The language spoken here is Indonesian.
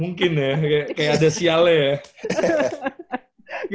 mungkin ya kayak ada sialnya ya